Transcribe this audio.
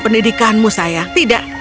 pendidikanmu sayang tidak